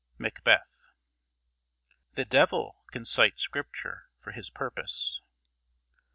MACBETH. The devil can cite Scripture for his purpose.